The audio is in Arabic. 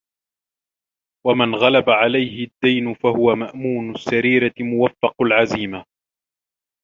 وَمَنْ غَلَبَ عَلَيْهِ الدِّينُ فَهُوَ مَأْمُونُ السَّرِيرَةِ مُوَفَّقُ الْعَزِيمَةِ